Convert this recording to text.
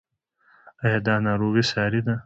ایا دا ناروغي ساری ده؟